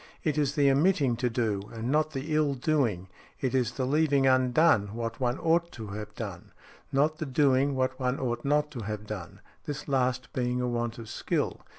It is the omitting to do, and not the ill doing—it is the leaving undone what one ought to have done—not the doing what one ought not to have done—this last being a want of skill.